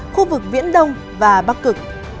khu vực viễn đông và bắc cực